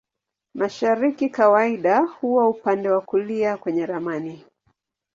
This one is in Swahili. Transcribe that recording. Mashariki kawaida huwa upande wa kulia kwenye ramani.